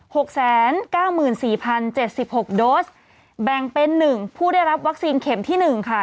หกแสนเก้าหมื่นสี่พันเจ็ดสิบหกโดสแบ่งเป็นหนึ่งผู้ได้รับวัคซีนเข็มที่หนึ่งค่ะ